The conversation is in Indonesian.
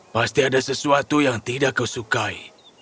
pasti ada sesuatu yang tidak kau sukai